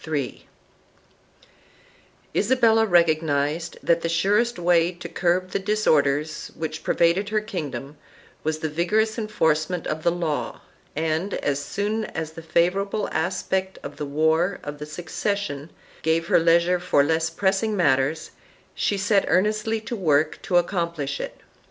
3 Isabella recognized that the surest way to curb the disorders which pervaded her kingdom was the vigorous enforcement of the law and, as soon as the favorable aspect of the war of the succession gave leisure for less pressing matters, she set earnestly to work to accomplish it.